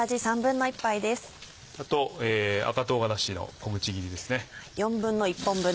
あと赤唐辛子の小口切りですね。